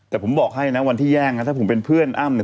แต่ผมบอกให้นะวันที่แย่งนะถ้าผมเป็นเพื่อนอ้ำเนี่ย